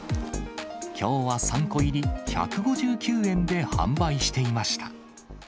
きょうは３個入り１５９円で販売していました。